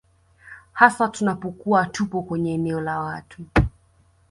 hasa tunapokuwa tupo kwenye eneo la watu